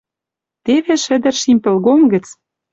Теве шӹдӹр шим пӹлгом гӹц